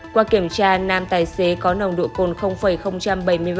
qua kiểm tra nam tài xế có nồng độ cồn bảy mươi ba m